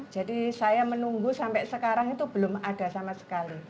jadi saya menunggu sampai sekarang itu belum ada sama sekali